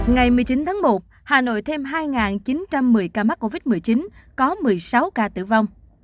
ngày một mươi chín tháng một hà nội thêm hai chín trăm một mươi ca mắc covid một mươi chín có một mươi sáu ca tử vong